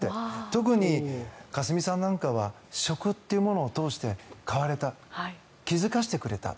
特に香純さんなんかは食っていうものを通して変われた気付かせてくれた。